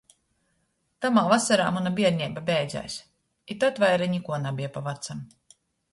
Tamā vosorā muna bierneiba beidzēs, i tod vaira nikuo nabeja pa vacam.